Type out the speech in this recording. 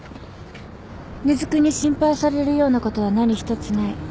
根津君に心配されるようなことは何一つない。